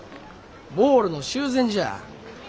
ボールの修繕じゃあ。